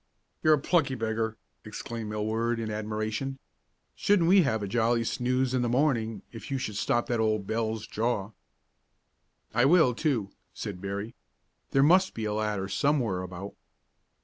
"You're a plucky beggar!" exclaimed Millward, in admiration. "Shouldn't we have a jolly snooze in the morning if you could stop that old bell's jaw!" "I will, too," said Berry. "There must be a ladder somewhere about."